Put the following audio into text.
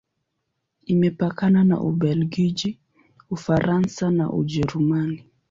Imepakana na Ubelgiji, Ufaransa na Ujerumani.